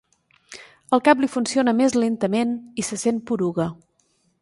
El cap li funciona més lentament i se sent poruga.